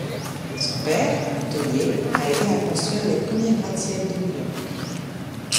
Son père, un tôlier, a aidé à construire les premiers gratte-ciel de New York.